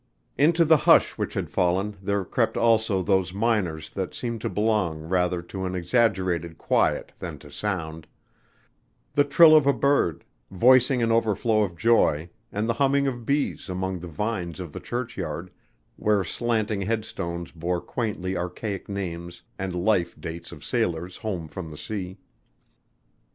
Into the hush which had fallen there crept also those minors that seemed to belong rather to an exaggerated quiet than to sound: the trill of a bird, voicing an overflow of joy and the humming of bees among the vines of the church yard, where slanting headstones bore quaintly archaic names and life dates of sailors home from the sea.